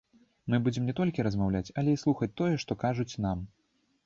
Мы будзем не толькі размаўляць, але і слухаць тое, што кажуць нам.